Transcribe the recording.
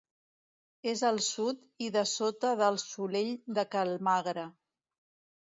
És al sud i dessota del Solell de Cal Magre.